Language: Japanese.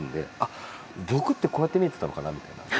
僕ってこうやって見えてたのかなとか。